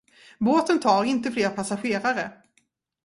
Båten tar inte fler passagerare.